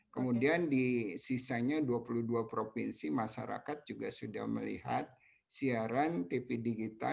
kemudian di sisanya dua puluh dua provinsi masyarakat juga sudah melihat siaran tv digital